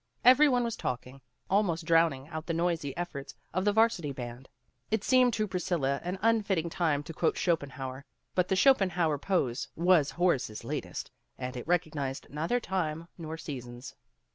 Every one was talking, almost drowning out the noisy ef forts of the Varsity band. It seemed to Pris cilla an unfitting time to quote Schopenhauer, but the Schopenhauer pose was Horace's latest, and it recognized neither time nor seasons.